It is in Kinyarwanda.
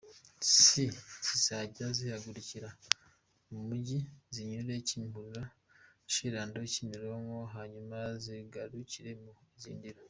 C zizajya zihagurukira mu mujyi, zinyure Kimihurura, Chez Lando, Kimironko hanyuma zigarukire mu Izindiro.